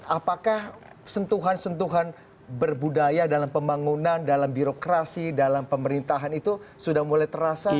apakah sentuhan sentuhan berbudaya dalam pembangunan dalam birokrasi dalam pemerintahan itu sudah mulai terasa